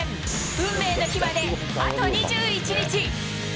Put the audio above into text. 運命の日まであと２１日。